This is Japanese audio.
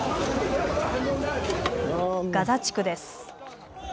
ガザ地区です。